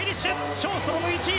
ショーストロムが１位。